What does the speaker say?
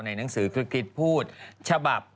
เยอะ